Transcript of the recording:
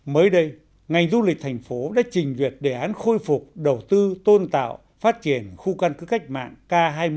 mới đây ngành du lịch thành phố đã trình duyệt đề án khôi phục đầu tư tôn tạo phát triển khu căn cứ cách mạng k hai mươi